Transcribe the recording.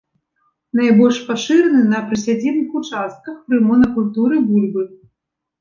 Найбольш пашыраны на прысядзібных участках пры монакультуры бульбы.